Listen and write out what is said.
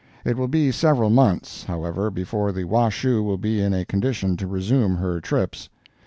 It will be several months, however, before the Washoe will be in a condition to resume her trips.